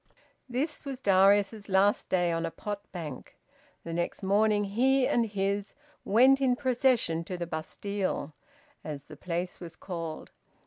This was Darius's last day on a pot bank. The next morning he and his went in procession to the Bastille, as the place was called.